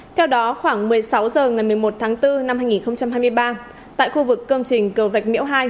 theo đó khoảng một mươi sáu h ngày một mươi một tháng bốn năm hai nghìn hai mươi ba tại khu vực công trình cầu rạch miễu hai